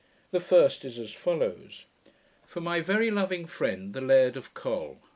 The first is as follows. FOR MY VERY LOVING FRIEND THE LAIRD OF COALL.